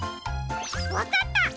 わかった！